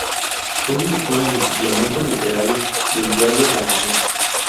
Fue directora del suplemento literario del diario "La Nación".